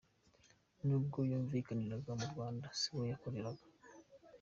Nubwo yumvikaniraga mu Rwanda, siho yakoreraga.